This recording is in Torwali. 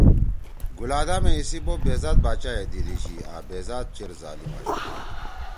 گلادامے ایسی بوب بیزات باچا یے کے دیدی شی آں بیذات چیر ظالم آشُو۔